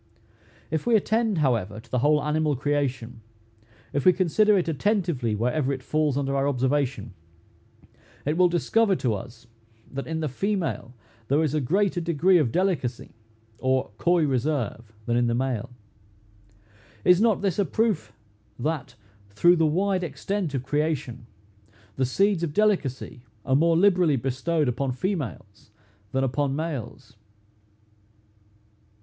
If we attend, however, to the whole animal creation, if we consider it attentively wherever it falls under our observation, it will discover to us, that in the female there is a greater degree of delicacy or coy reserve than in the male. Is not this a proof, that, through the wide extent of creation, the seeds of delicacy are more liberally bestowed upon females than upon males?